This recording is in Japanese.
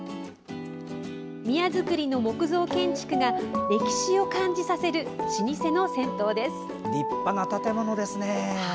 宮造りの木造建築が歴史を感じさせる老舗の銭湯です。